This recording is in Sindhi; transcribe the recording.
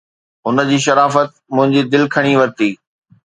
هن جي شرافت منهنجي دل کٽي ورتي